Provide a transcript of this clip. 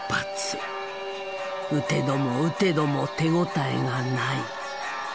撃てども撃てども手応えがない。